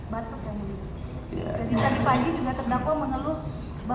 batuk yang mulia